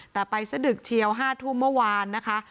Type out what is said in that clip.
แต่ไปสะดึกเชียว๕ทุ่มเมื่อวานนะคะ